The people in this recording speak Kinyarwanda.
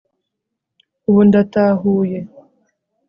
ubu ndatahuye